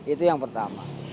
itu yang pertama